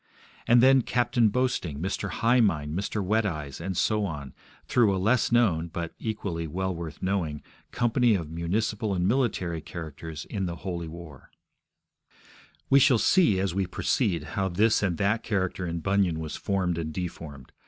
And then Captain Boasting, Mr. High mind, Mr. Wet Eyes, and so on, through a less known (but equally well worth knowing) company of municipal and military characters in the Holy War. We shall see, as we proceed, how this and that character in Bunyan was formed and deformed.